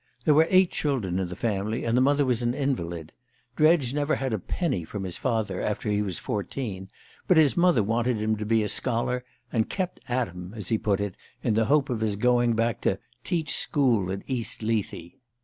There were eight children in the family, and the mother was an invalid. Dredge never had a penny from his father after he was fourteen; but his mother wanted him to be a scholar, and "kept at him," as he put it, in the hope of his going back to "teach school" at East Lethe.